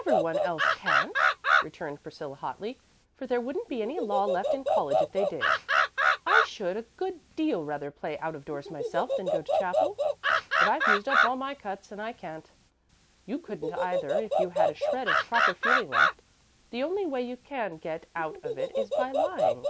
"Every one else can't," returned Priscilla, hotly, "for there wouldn't be any law left in college if they did. I should a good deal rather play out of doors myself than go to chapel, but I've used up all my cuts and I can't. You couldn't either if you had a shred of proper feeling left. The only way you can get out of it is by lying."